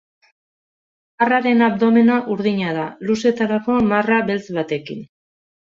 Arraren abdomena urdina da, luzetarako marra beltz batekin.